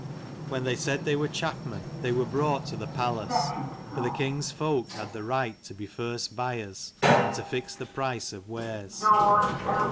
When they said they were chapmen, they were brought to 180 the palace ; for the king's folk had the right to be first buyers, and to fix the price of wares.